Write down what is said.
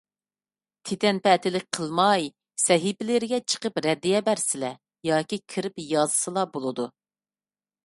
تىتەنپەتىلىك قىلماي، سەھىپىلىرىگە چىقىپ رەددىيە بەرسىلە، ياكى كىرىپ يازسىلا بولىدۇ.